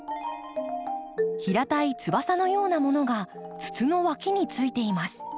平たい翼のようなものが筒のわきについています。